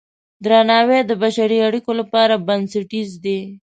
درناوی د بشري اړیکو لپاره بنسټیز دی.